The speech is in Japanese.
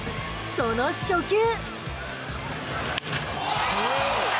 その初球。